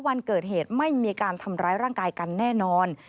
วันเกิดเหตุไม่มีการทำร้ายร่างกายกันแน่นอน